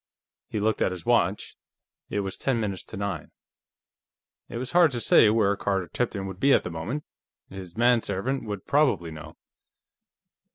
He looked at his watch. It was ten minutes to nine. It was hard to say where Carter Tipton would be at the moment; his manservant would probably know.